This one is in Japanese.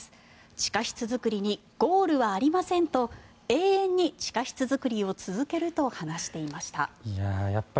地下室作りにゴールはありませんと永遠に地下室作りを続けると話していました。